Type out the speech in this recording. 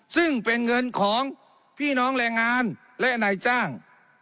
ซึ่งเป็นเงินของพี่น้องแรงงานและนายจ้าง